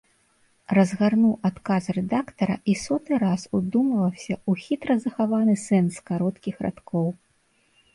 Разгарнуў адказ рэдактара і соты раз удумваўся ў хітра захаваны сэнс кароткіх радкоў.